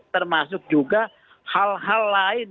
termasuk juga hal hal lain